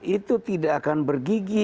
itu tidak akan bergigi